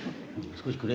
「少しくれ」。